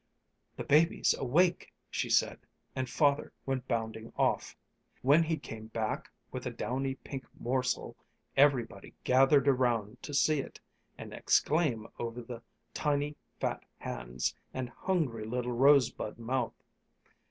"The baby's awake!" she said, and Father went bounding off. When he came back with the downy pink morsel, everybody gathered around to see it and exclaim over the tiny fat hands and hungry little rosebud mouth.